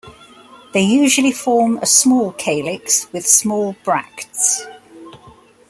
They usually form a small calyx with small bracts.